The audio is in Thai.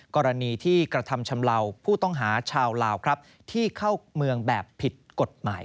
กรณีที่กระทำชำเลาผู้ต้องหาชาวลาวครับที่เข้าเมืองแบบผิดกฎหมาย